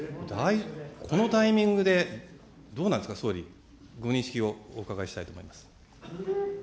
このタイミングで、どうなんですか、総理、ご認識をお伺いしたいと思います。